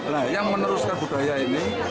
nah yang meneruskan budaya ini